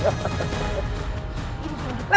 aku akan menang